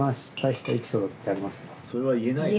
それは言えないよね。